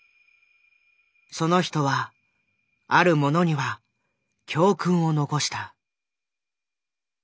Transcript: その人はある者には教訓を残した。